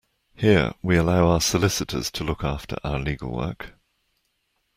Here we allow our solicitors to look after our legal work.